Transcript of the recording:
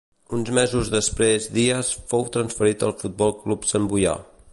Uns mesos després Díaz fou transferit al Futbol Club Santboià.